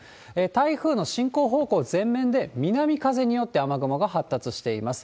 台風の進行方向前面で、南風によって雨雲が発達しています。